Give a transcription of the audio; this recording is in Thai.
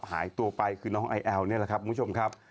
หายตัวไปคือน้องไอแอลนี่แหละครับคุณผู้ชมครับ